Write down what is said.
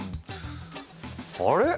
あれ？